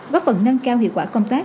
góp phần nâng cao hiệu quả công tác